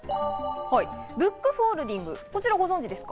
ブックフォールディング、ご存じですか？